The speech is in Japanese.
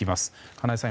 金井さん